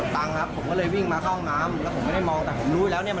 แต่ผมไม่ได้มองป้ายเนี้ย